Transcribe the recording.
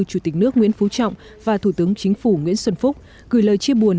chủ tịch nước nguyễn phú trọng và thủ tướng chính phủ nguyễn xuân phúc gửi lời chia buồn